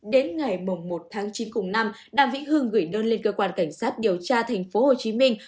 đến ngày một tháng chín cùng năm đàm vĩnh hưng gửi đơn lên cơ quan cảnh sát điều tra thành phố hồ chí minh